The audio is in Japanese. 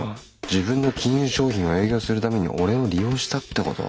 自分の金融商品を営業するために俺を利用したってこと？